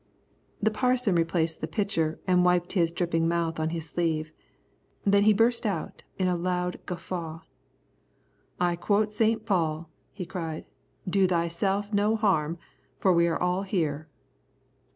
The Parson replaced the pitcher and wiped his dripping mouth on his sleeve. Then he burst out in a loud guffaw. "I quote Saint Paul," he cried. "Do thyself no harm, for we are all here."